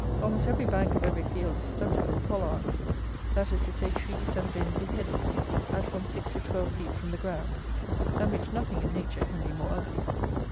Almost every bank of every field is studded with pollards, that is to say, trees that have been beheaded, at from six to twelve feet from the ground, than which nothing in nature can be more ugly.